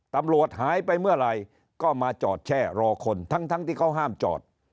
ตำรวจหายไปเมื่อไหร่ก็มาจอดแช่รอคนทั้งที่เขาห้ามจอด